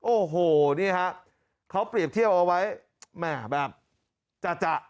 โอ้โหนี่ฮะเขาเปรียบเทียบเอาไว้แหม่แบบจะ